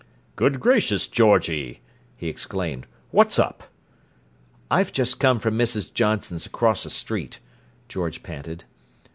"Good gracious, Georgie!" he exclaimed. "What's up?" "I've just come from Mrs. Johnson's—across the street," George panted.